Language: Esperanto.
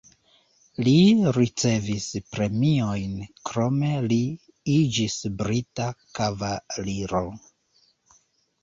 Li ricevis premiojn, krome li iĝis brita kavaliro.